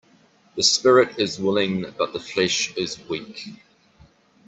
The spirit is willing but the flesh is weak.